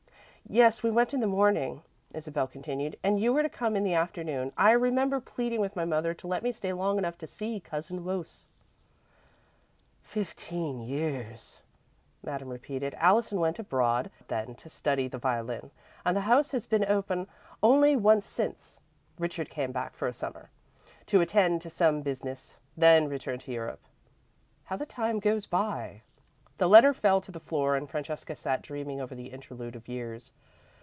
"Yes, we went in the morning," Isabel continued, "and you were to come in the afternoon. I remember pleading with my mother to let me stay long enough to see 'Cousin Wose.'" "Fifteen years!" Madame repeated. "Allison went abroad, then, to study the violin, and the house has been open only once since. Richard came back for a Summer, to attend to some business, then returned to Europe. How the time goes by!" The letter fell to the floor and Francesca sat dreaming over the interlude of years.